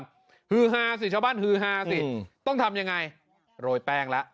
คือฮาสิชาวบ้านฮือฮาสิต้องทำยังไงโรยแป้งแล้ว